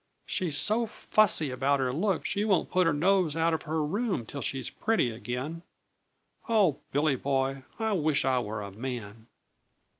She's so fussy about her looks she won't put her nose out of her room till she's pretty again. Oh, Billy Boy, I wish I were a man!"